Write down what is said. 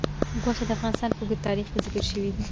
غوښې د افغانستان په اوږده تاریخ کې ذکر شوي دي.